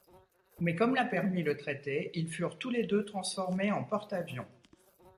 Mais comme l'a permis le traité, ils furent tous les deux transformés en porte-avions.